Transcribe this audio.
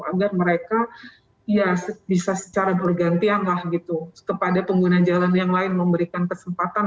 agar mereka bisa secara bergantian kepada pengguna jalan yang lain memberikan kesempatan